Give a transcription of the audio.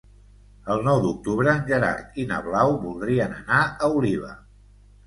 El nou d'octubre en Gerard i na Blau voldrien anar a Oliva.